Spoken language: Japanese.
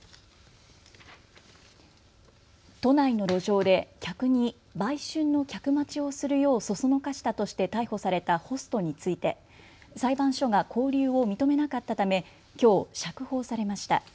都内の路上で客に売春の客待ちをするよう唆したとして逮捕されたホストについて裁判所が勾留を認めなかったためきょう釈放されました。